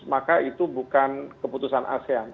maka itu bukan keputusan asean